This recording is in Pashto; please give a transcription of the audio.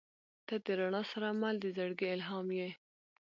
• ته د رڼا سره مل د زړګي الهام یې.